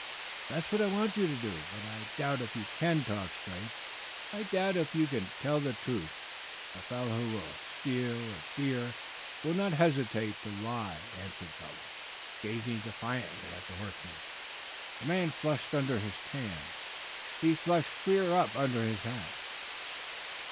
"That's what I want you to do. But I doubt if you can talk straight I doubt if you can tell the truth. A fellow who will steal a deer will not hesitate to lie," answered Butler, gazing defiantly at the horseman. The man flushed under his tan, flushed clear up under his hat.